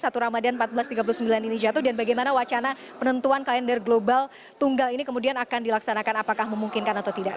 satu ramadhan seribu empat ratus tiga puluh sembilan ini jatuh dan bagaimana wacana penentuan kalender global tunggal ini kemudian akan dilaksanakan apakah memungkinkan atau tidak